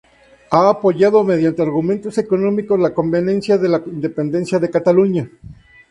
Ha apoyado, mediante argumentos económicos, la conveniencia de la independencia de Cataluña.